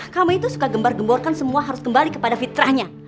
kami itu suka gembar gemborkan semua harus kembali kepada fitrahnya